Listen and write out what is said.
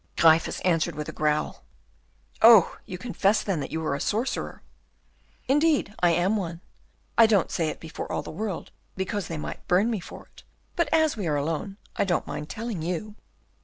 Gryphus answered with a growl. "Oh! you confess, then, that you are a sorcerer." "Indeed, I am one. I don't say it before all the world, because they might burn me for it, but as we are alone, I don't mind telling you."